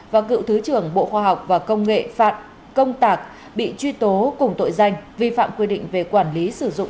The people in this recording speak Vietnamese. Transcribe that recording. và cựu thứ trưởng bộ khoa học và công nghệ phạm công tạc bị truy tố cùng tội danh vi phạm quy định về quản lý sử dụng